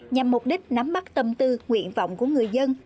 nhằm mục đích nắm bắt tâm tư nguyện vọng của người dân